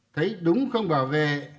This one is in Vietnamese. thấy đúng không bảo vệ